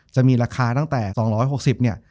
จะมีราคาตั้งแต่๒๖๐เนี่ย